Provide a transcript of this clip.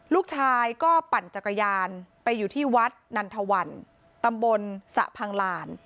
ลูกชายก็ปั่นจักรยานไปอยู่ที่วัดนันทวันตำบลสะพังลาน